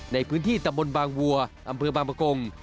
ในพื้นที่ตำบลบางวัวอำเภอบางประกง